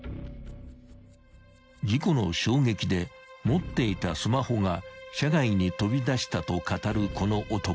［事故の衝撃で持っていたスマホが車外に飛び出したと語るこの男］